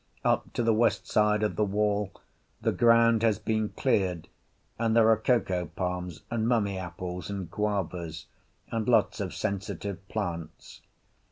Up to the west side of the wall, the ground has been cleared, and there are cocoa palms and mummy apples and guavas, and lots of sensitive plants.